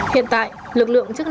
hiện tại lực lượng chức năng